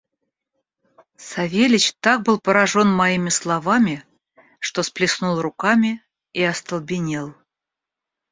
Савельич так был поражен моими словами, что сплеснул руками и остолбенел.